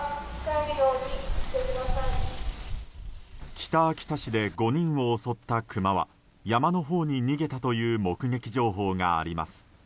北秋田市で５人を襲ったクマは山のほうに逃げたという目撃情報があります。